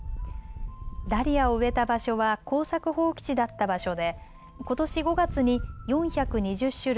ダリアを植えた場所は耕作放棄地だった場所でことし５月に４２０種類